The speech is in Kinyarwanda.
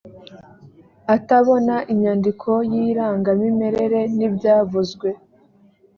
atabona inyandiko y irangamimerere n ibyavuzwe